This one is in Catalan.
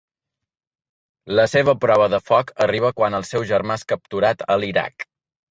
La seva prova de foc arriba quan el seu germà és capturat a l'Iraq.